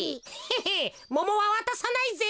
へっモモはわたさないぜ。